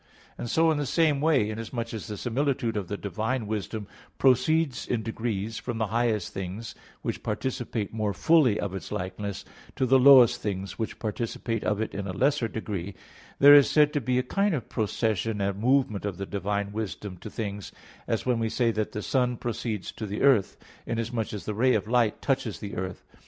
And so in the same way, inasmuch as the similitude of the divine wisdom proceeds in degrees from the highest things, which participate more fully of its likeness, to the lowest things which participate of it in a lesser degree, there is said to be a kind of procession and movement of the divine wisdom to things; as when we say that the sun proceeds to the earth, inasmuch as the ray of light touches the earth.